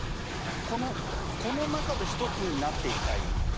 このこの中で一つになっていたいですか？